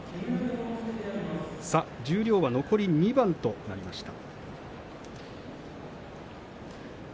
十両は残り２番となりました。